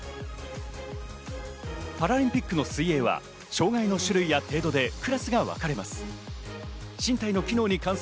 パラリンピックの水泳は障害の種類や程度でクラスがわかれます。